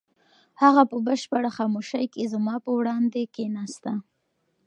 هغه په بشپړه خاموشۍ کې زما په وړاندې کښېناسته.